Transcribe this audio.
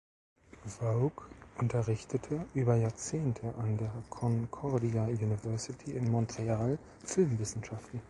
Waugh unterrichtete über Jahrzehnte an der Concordia University in Montreal Filmwissenschaften.